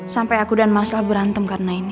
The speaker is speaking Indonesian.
sampai aku dan mas ah berantem karena ini